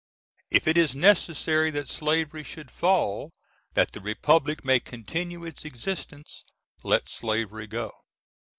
If it is necessary that slavery should fall that the Republic may continue its existence, let slavery go.